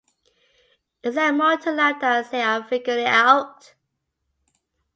Is there more to life than saying I figured it out ?